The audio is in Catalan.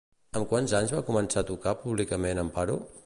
Amb quants anys va començar a tocar públicament Amparo?